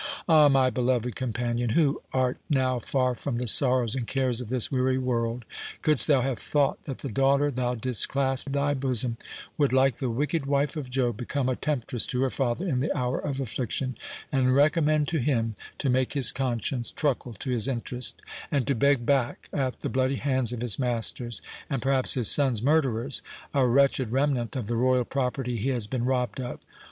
—Ah! my beloved companion, who art now far from the sorrows and cares of this weary world, couldst thou have thought that the daughter thou didst clasp to thy bosom, would, like the wicked wife of Job, become a temptress to her father in the hour of affliction, and recommend to him to make his conscience truckle to his interest, and to beg back at the bloody hands of his master's and perhaps his son's murderers, a wretched remnant of the royal property he has been robbed of!